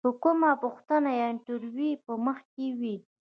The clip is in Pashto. که کومه پوښتنه یا انتریو په مخ کې وي.